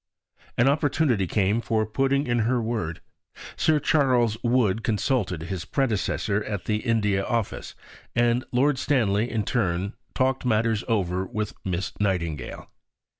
An opportunity came for putting in her word. Sir Charles Wood consulted his predecessor at the India Office, and Lord Stanley in turn talked matters over with Miss Nightingale.